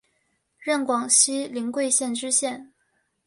任广西临桂县知县。